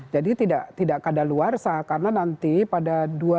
jadi tidak keadaan luar saha karena nanti pada dua ribu dua puluh empat